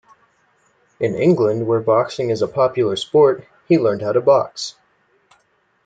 In England, where boxing is a popular sport, he learned how to box.